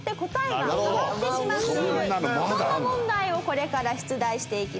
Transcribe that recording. そんな問題をこれから出題していきます。